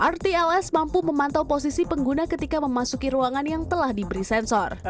rtls mampu memantau posisi pengguna ketika memasuki ruangan yang telah diberi sensor